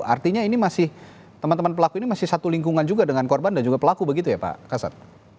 artinya ini masih teman teman pelaku ini masih satu lingkungan juga dengan korban dan juga pelaku begitu ya pak kasat